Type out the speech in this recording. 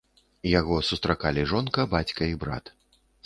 Яго сустракалі жонка, бацька і брат.